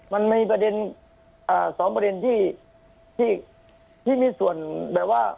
มันมีประเด็นอ่าสองประเด็นที่ที่ที่มีส่วนแบบว่า